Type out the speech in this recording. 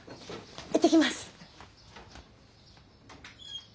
行ってきます。